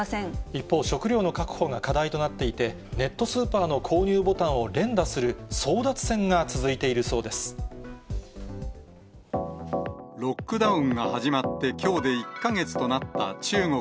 一方、食料の確保が課題となっていて、ネットスーパーの購入ボタンを連打する争奪戦が続いてロックダウンが始まってきょ